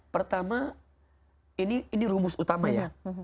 pertama ini rumus utama ya